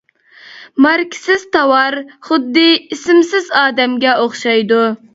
ماركىسىز تاۋار خۇددى ئىسىمسىز ئادەمگە ئوخشايدۇ.